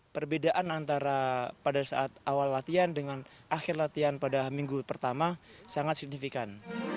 perbedaan antara pada saat awal latihan dengan akhir latihan pada minggu pertama sangat signifikan